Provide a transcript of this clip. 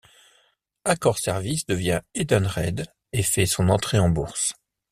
Accor Services devient Edenred et fait son entrée en bourse.